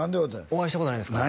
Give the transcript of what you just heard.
お会いしたことないんですか？